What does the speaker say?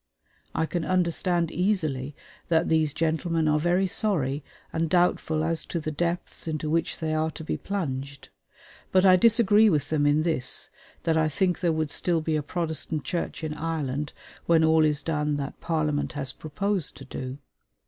I can understand easily that these gentlemen are very sorry and doubtful as to the depths into which they are to be plunged; but I disagree with them in this that I think there would still be a Protestant Church in Ireland when all is done that Parliament has proposed to do.